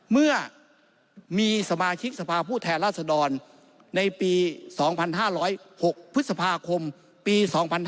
เมื่อมีสมาชิกสภาพผู้แทนราษฎรในปี๒๕๐๖พฤษภาคมปี๒๕๕๙